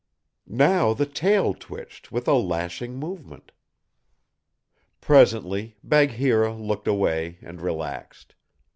Now the tail twitched with a lashing movement. Presently Bagheera looked away and relaxed.